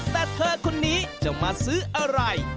แต่เธอคนนี้จะมาซื้ออะไร